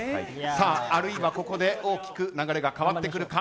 あるいは、ここで大きく流れが変わってくるか。